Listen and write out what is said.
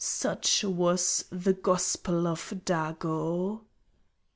Such was the gospel of Dago.